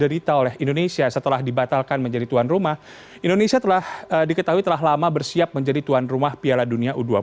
dita oleh indonesia setelah dibatalkan menjadi tuan rumah indonesia telah diketahui telah lama bersiap menjadi tuan rumah piala dunia u dua puluh